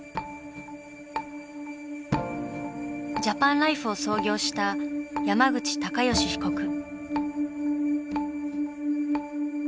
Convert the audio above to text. ジャパンライフを創業した山口隆祥被告。